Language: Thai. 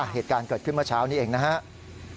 เหตุการณ์เกิดขึ้นเมื่อเช้านี้เองนะครับ